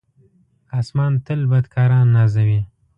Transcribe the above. آسمان تل بدکاران نازوي.